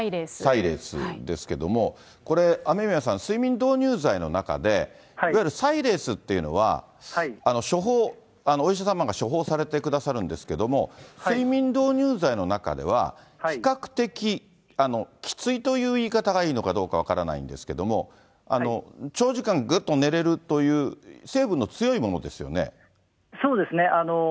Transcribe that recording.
サイレースですけれども、これ、雨宮さん、睡眠導入剤の中で、いわゆるサイレースっていうのは、処方、お医者様が処方されてくださるんですけども、睡眠導入剤の中では比較的きついという言い方がどうなのか分からないんですけども、長時間ぐっと寝れるという、成分の強いものでそうですね。